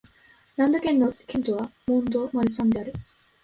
ランド県の県都はモン＝ド＝マルサンである